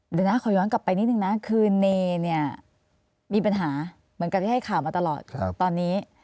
เดี๋ยวนะขอย้อนกลับไปนิดนึงนะคือเนเนี่ยมีปัญหาเหมือนกับที่ให้ข่าวมาตลอดตอนนี้